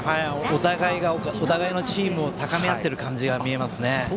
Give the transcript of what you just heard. お互いがお互いのチームを高め合っているように見えますね。